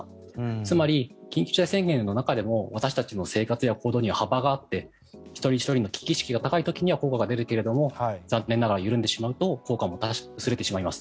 つまり、緊急事態宣言の中でも私たちの生活や行動には幅があって一人ひとりの危機意識が高い時には効果が出るけども残念ながら緩んでしまうと効果も薄れてしまいます。